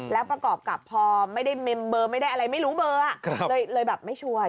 แล้วประกอบกับพอไม่ได้เมมเบอร์ไม่ได้อะไรไม่รู้เบอร์เลยแบบไม่ช่วย